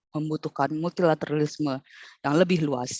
membutuhkan multilateralisme yang lebih luas